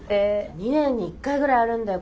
２年に１回ぐらいあるんだよ